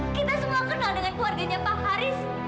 kita semua kenal dengan keluarganya bang haris